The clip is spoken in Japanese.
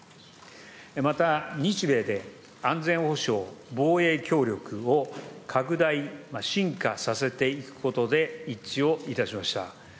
また日米で安全保障、防衛協力を拡大、進化させていくことで一致をいたしました。